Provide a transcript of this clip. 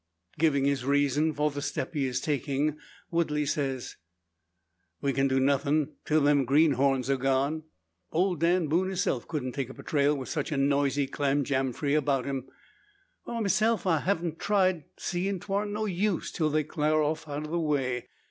Giving his reason for the step he is taking, Woodley says, "We kin do nothin' till them greenhorns air gone. Old Dan Boone hisself kedn't take up trail, wi' sich a noisy clanjamfry aroun him. For myself I hain't hardly tried, seein' 'twar no use till they'd clar off out o' the way.